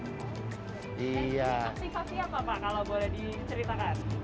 ini aktif aktif apa pak kalau boleh diceritakan